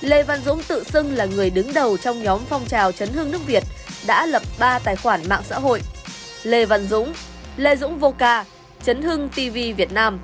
lê văn dũng tự xưng là người đứng đầu trong nhóm phong trào chấn hương nước việt đã lập ba tài khoản mạng xã hội lê văn dũng lê dũng vô ca chấn hưng tv việt nam